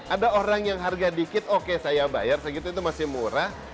ada orang yang harga dikit oke saya bayar segitu itu masih murah